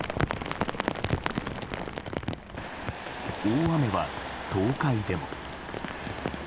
大雨は東海でも。